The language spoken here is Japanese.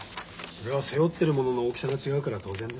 それは背負ってるものの大きさが違うから当然です。